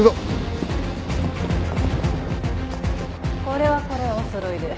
これはこれはお揃いで。